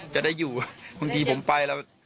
จะได้อยู่บางทีผมไปแล้ว